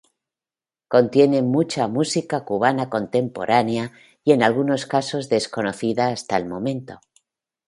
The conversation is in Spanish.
Contiene mucha música cubana contemporánea y en algunos casos desconocida hasta el momento.